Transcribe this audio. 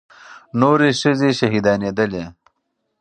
نورې ښځې شهيدانېدلې.